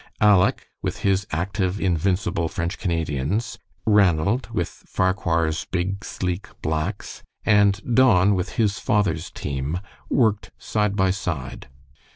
Aleck, with his active, invincible French Canadians, Ranald with Farquhar's big, sleek blacks, and Don with his father's team, worked side by side.